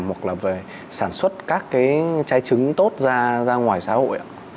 hoặc là sản xuất các trái trứng tốt ra ngoài xã hội